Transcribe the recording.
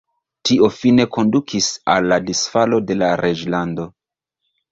Tio fine kondukis al la disfalo de la reĝlando.